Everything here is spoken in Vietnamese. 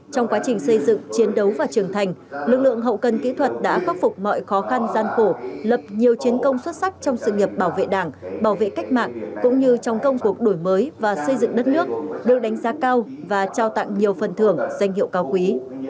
trong quá trình xây dựng chiến đấu và trưởng thành lực lượng hậu cần kỹ thuật đã khắc phục mọi khó khăn gian khổ lập nhiều chiến công xuất sắc trong sự nghiệp bảo vệ đảng bảo vệ cách mạng cũng như trong công cuộc đổi mới và xây dựng đất nước được đánh giá cao và trao tặng nhiều phần thưởng danh hiệu cao quý